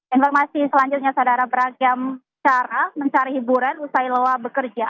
informasi selanjutnya saudara beragam cara mencari hiburan usai lelah bekerja